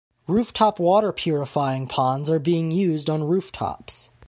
Rooftop water purifying ponds are being used on rooftops.